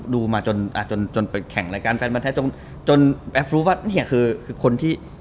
ดูมาจนจนไปแข่งรายการแฟนบอลไทยจนจนแป๊บรู้ว่าเนี่ยคือคือคนที่